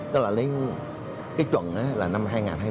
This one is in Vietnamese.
tức là lấy cái chuẩn là năm hai nghìn hai mươi